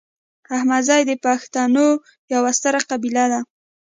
احمدزي د پښتنو یوه ستره قبیله ده